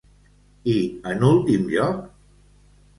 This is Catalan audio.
I en últim lloc?